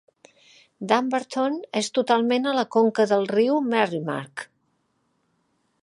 Dunbarton és totalment a la conca del riu Merrimack.